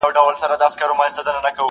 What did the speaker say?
o چي خواست کوې، د آس ئې کوه٫